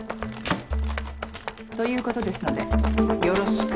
ということですのでよろしく。